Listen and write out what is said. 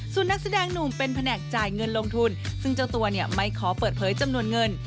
ส่วนนักแสดงหนุ่มเป็นแผนกจ่ายเงินลงทุนซึ่งเจ้าตัวเนี่ยไม่ขอเปิดเผยจำนวนเงิน